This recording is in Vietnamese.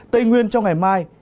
tây nguyên trong ngày mai